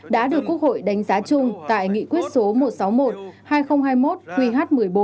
đã được quốc hội đánh giá chung tại nghị quyết số một trăm sáu mươi một hai nghìn hai mươi một qh một mươi bốn